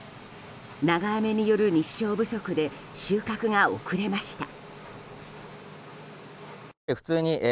長雨による日照不足で収穫が遅れました。